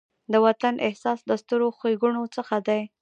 د وطن احساس له سترو ښېګڼو څخه دی.